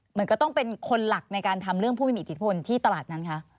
มันก็ต้องเป็นคนหลักในการทำเรื่องผู้มีอิทธิพลที่ตลาดนั้นคะ